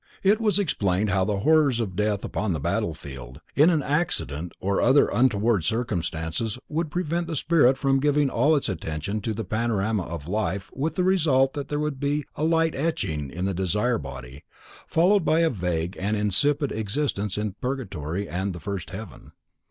It was explained how the horrors of death upon the battlefield, in an accident or other untoward circumstances would prevent the spirit from giving all its attention to the panorama of life with the result that there would be a light etching in the desire body, followed by a vague and insipid existence in purgatory and the first heaven.